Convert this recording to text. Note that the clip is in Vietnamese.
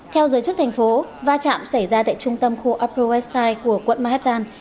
theo giới chức thành phố va chạm xảy ra tại trung tâm khu upper west side của quận manhattan